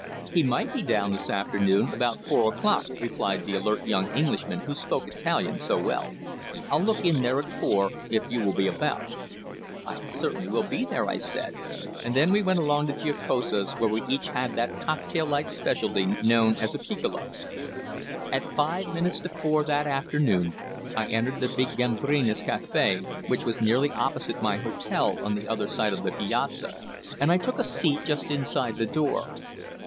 "He might be down this afternoon about four o'clock," replied the alert young Englishman who spoke Italian so well. "I'll look in there at four, if you will be about." "I certainly will be there," I said, and then we went along to Giacosa's, where we each had that cocktail like speciality known as a "piccolo." At five minutes to four that afternoon I entered the big Gambrinus Café, which was nearly opposite my hotel on the other side of the piazza, and I took a seat just inside the door.